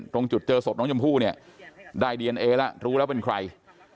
ตรงจุดเจอศพน้องชมพู่เนี่ยได้ดีเอนเอแล้วรู้แล้วเป็นใคร